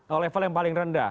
ke level yang paling rendah